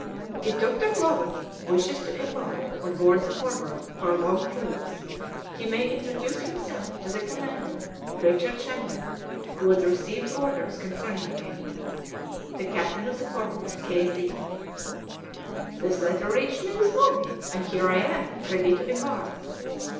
"If Dr. Clawbonny wishes to embark on board the Forward for a long cruise, he may introduce himself to the commander, Richard Shandon, who has received orders concerning him. "THE CAPTAIN OF THE 'FORWARD,' "K. Z." "This letter reached me this morning, and here I am, ready to embark."